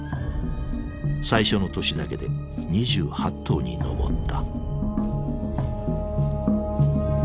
最初の年だけで２８頭に上った。